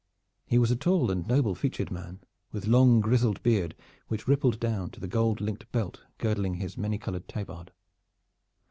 He was a tall and noble featured man, with long grizzled beard which rippled down to the gold linked belt girdling his many colored tabard.